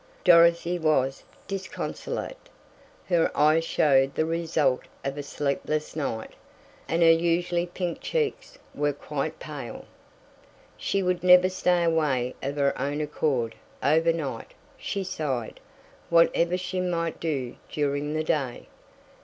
Dorothy was disconsolate. Her eyes showed the result of a sleepless night, and her usually pink cheeks were quite pale. "She would never stay away of her own accord over night," she sighed, "whatever she might do during the day."